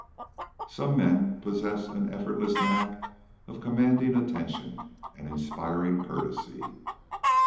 Some men possess an effortless knack of commanding attention and inspiring courtesy.